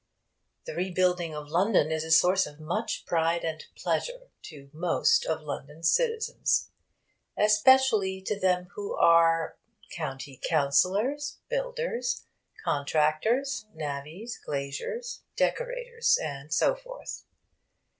'The Rebuilding of London' is a source of much pride and pleasure to most of London's citizens, especially to them who are county councillors, builders, contractors, navvies, glaziers, decorators, and so forth.